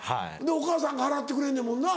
お母さん払ってくれんねんもんな。